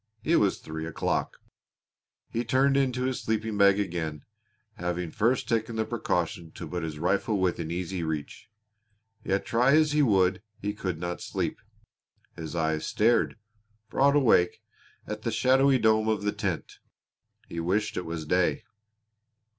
It was three o'clock. He turned into his sleeping bag again, having first taken the precaution to put his rifle within easy reach. Yet try as he would he could not sleep. His eyes stared, broad awake, at the shadowy dome of the tent. He wished it was day.